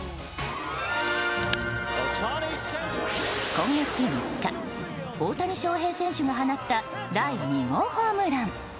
今月３日大谷翔平選手が放った第２号ホームラン。